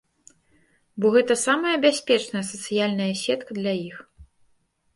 Бо гэта самая бяспечная сацыяльная сетка для іх.